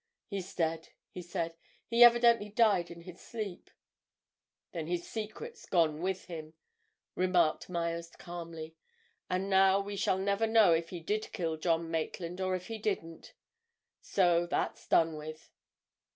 "He's dead," he said. "He evidently died in his sleep." "Then his secret's gone with him," remarked Myerst, calmly. "And now we shall never know if he did kill John Maitland or if he didn't. So that's done with!"